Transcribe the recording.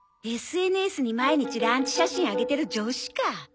ＳＮＳに毎日ランチ写真あげてる女子か。